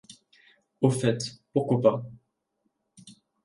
Au fait, pourquoi pas ?